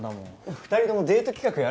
２人ともデート企画やれば？